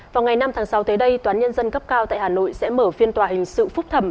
vào ngày năm tháng sáu tới đây toán nhân dân cấp cao tại hà nội sẽ mở phiên tòa hình sự phúc thẩm